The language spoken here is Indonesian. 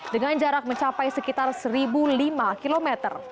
dengan jarak mencapai sekitar satu lima km